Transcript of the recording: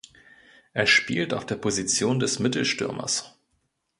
Er spielt auf der Position des Mittelstürmers.